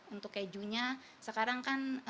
untuk kejunya sekarang kan